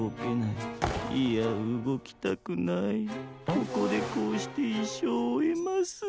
ここでこうしていっしょうをおえます。